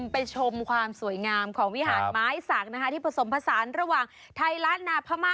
ไปชมความสวยงามของวิหารไม้สักนะคะที่ผสมผสานระหว่างไทยล้านนาพม่า